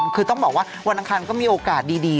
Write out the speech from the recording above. คือต้องบอกว่าวันอังคารก็มีโอกาสดี